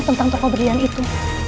tentang toko berlian itu